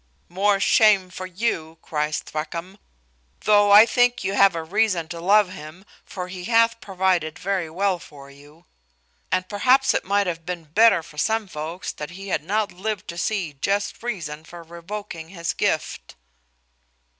"More shame for you," cries Thwackum. "Though I think you have reason to love him, for he hath provided very well for you. And perhaps it might have been better for some folks that he had not lived to see just reason of revoking his gift."